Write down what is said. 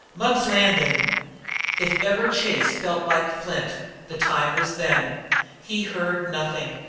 Mugg's Landin' !" If ever Chase felt like flint, the time was then. He heard nothing.